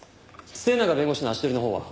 末永弁護士の足取りのほうは？